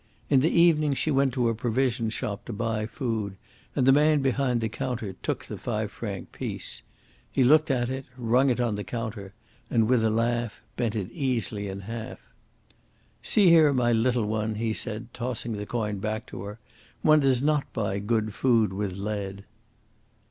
In the evening she went to a provision shop to buy food, and the man behind the counter took the five franc piece. He looked at it, rung it on the counter, and, with a laugh, bent it easily in half. "See here, my little one," he said, tossing the coin back to her, "one does not buy good food with lead."